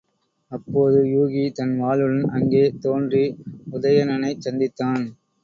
அப்போது யூகி தன் வாளுடன் அங்கே தோன்றி உதயணனைச் சந்தித்தான்.